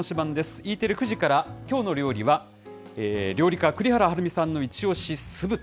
Ｅテレ、９時からきょうの料理は、料理家、栗原はるみさんの一押し酢豚。